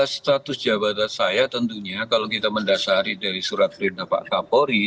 status jabatan saya tentunya kalau kita mendasari dari surat perintah pak kapolri